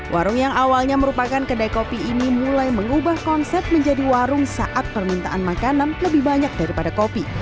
warung yang awalnya merupakan kedai kopi ini mulai mengubah konsep menjadi warung saat permintaan makanan lebih banyak daripada kopi